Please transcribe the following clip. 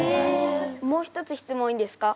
もう一つ質問いいですか？